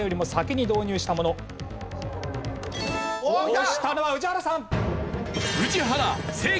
押したのは宇治原さん！